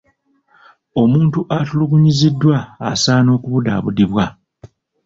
Omuntu atulugunyiziddwa asaana okubudaabudibwa.